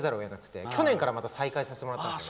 また去年から再開させてもらったんです。